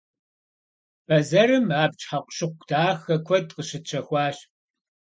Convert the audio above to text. Бэзэрым абдж хьэкъущыкъу дахэ куэд къыщытщэхуащ.